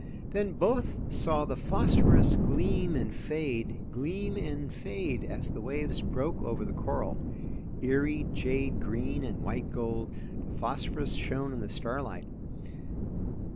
Then both saw the phosphorus gleam and fade, gleam and fade as the waves broke over the coral. Eerie jade green and white gold, the phosphorus shone in the starlight.